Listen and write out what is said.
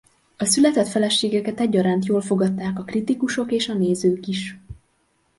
A Született feleségeket egyaránt jól fogadták a kritikusok és a nézők is.